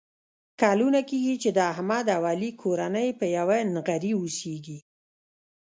کلونه کېږي چې د احمد او علي کورنۍ په یوه نغري اوسېږي.